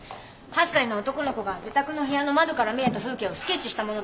８歳の男の子が自宅の部屋の窓から見えた風景をスケッチしたものです。